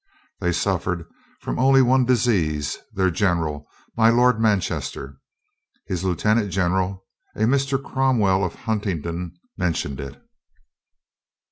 They suffered from only one disease — their general, my Lord Manchester. His lieutenant gen eral, a Mr. Cromwell of Huntingdon, mentioned it.